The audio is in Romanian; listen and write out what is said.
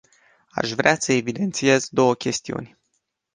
Aș vrea să evidențiez două chestiuni.